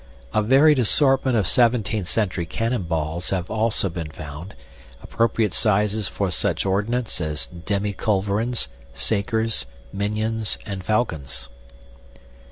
A varied assortment of 17th century cannon balls have also been found, appropriate sizes for such ordnance as demiculverines, sakers, minions, and falcons.